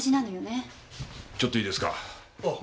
ちょっといいですか。